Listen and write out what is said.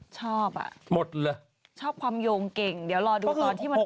ชอบอ่ะหมดเลยชอบความโยงเก่งเดี๋ยวรอดูตอนที่มัน